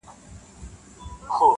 • چي تر خوله یې د تلک خوږې دانې سوې -